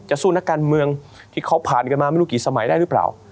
สู้นักการเมืองที่เขาผ่านกันมาไม่รู้กี่สมัยได้หรือเปล่า